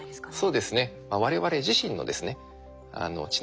そうですね。